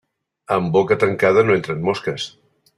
En boca tancada no entren mosques.